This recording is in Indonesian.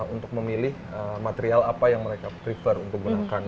untuk memilih material apa yang mereka prefer untuk gunakan